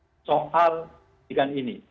nanti kesimpulan akan diberikan